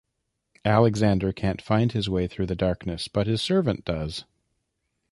Alexander can't find his way through the darkness, but his servant does.